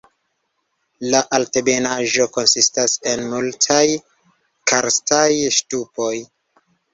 La altebenaĵo konsistas en multaj karstaj ŝtupoj.